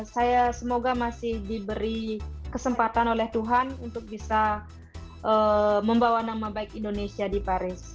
saya semoga masih diberi kesempatan oleh tuhan untuk bisa membawa nama baik indonesia di paris